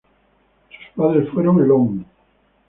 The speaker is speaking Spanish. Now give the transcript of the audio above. Sus padres fueron el Hon.